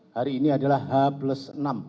hari ini adalah h enam